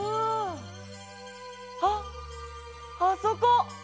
あっあそこ！